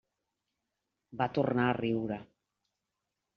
Va tornar a riure.